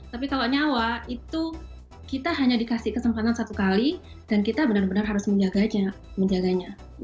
tapi kalau nyawa itu kita hanya dikasih kesempatan satu kali dan kita benar benar harus menjaganya